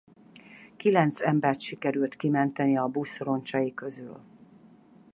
Kilenc embert sikerült kimenteni a busz roncsai közül.